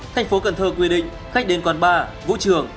thành phố cần thơ quy định khách đến quán bar vũ trường